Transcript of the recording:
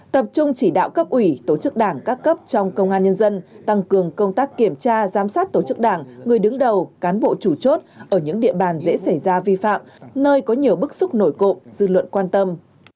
tập trung chỉ đạo cấp ủy tổ chức đảng các cấp trong công an nhân dân tăng cường công tác kiểm tra giám sát tổ chức đảng người đứng đầu cán bộ chủ chốt ở những địa bàn dễ xảy ra vi phạm nơi có nhiều bức xúc nổi cộ dư luận quan tâm